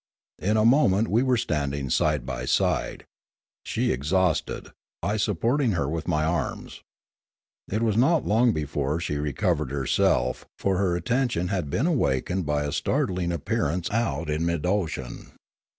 In a moment we were standing side by side, she exhausted, I supporting her with my arms. It was not long before she recovered herself, for her attention had been awakened by a startling appearance out in mid ocean.